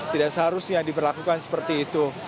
tidak seharusnya diberlakukan seperti itu